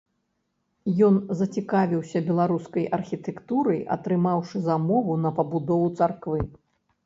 Ён зацікавіўся беларускай архітэктурай, атрымаўшы замову на пабудову царквы.